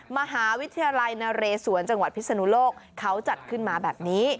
มหาวิทยาลัยนเรศวรจังหวัดพิศนุโลกเขาจัดขึ้นมาแบบนี้